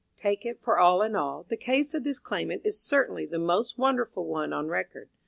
Take it for all in all, the case of this claimant is certainly the most wonderful one on record.